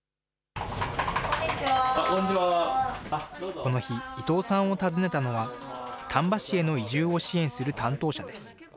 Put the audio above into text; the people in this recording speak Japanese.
この日、伊藤さんを訪ねたのは、丹波市への移住を支援する担当者です。